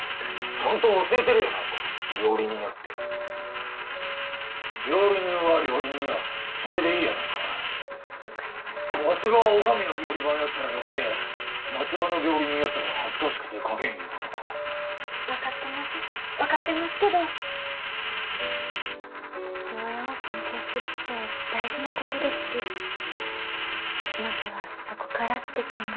ちゃんと教えてるやないか料理人やって料理人は料理人やそれでいいやないか分かりますわしがお上の料理番ならよくて街場の料理人やったら恥ずかしくて書けんいうことか分かってます分かってますけど父親を尊敬するって大事なことですしまずはそこからって考えもあるかと